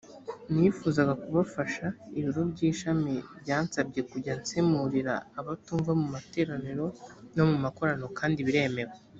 nifuzaga kubafasha ibiro by ishami byansabye kujya nsemurira abatumva mu materaniro no mu makoraniro kandi biremewe